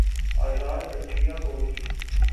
آزاد عدلیہ ہو گی۔